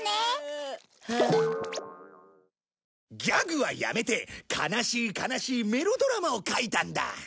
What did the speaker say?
ギャグはやめて悲しい悲しいメロドラマを描いたんだ！